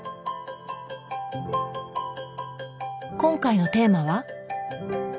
今回のテーマは？